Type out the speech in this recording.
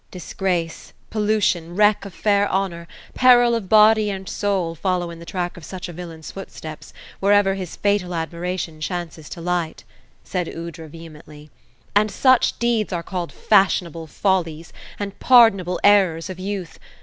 '* Disgrace, pollution, wreck of fair honor, peril of body and soul, follow in the track of such a villain's footsteps, wherever his fatal admiration chances to alight;" said Aoudra, vehemently. ^ And such deeds are called fashionable follies, and pardonable errors of youth